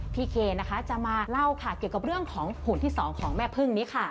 เคนะคะจะมาเล่าค่ะเกี่ยวกับเรื่องของหุ่นที่สองของแม่พึ่งนี้ค่ะ